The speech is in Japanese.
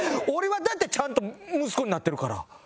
俺はだってちゃんと息子になってるから。